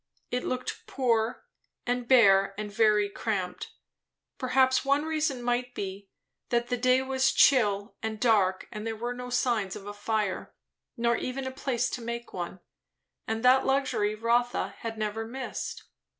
It looked poor and bare, and very cramped. Perhaps one reason might be, that the day was chill and dark and here were no signs of a fire, nor even a place to make one; and that luxury Rotha had never missed.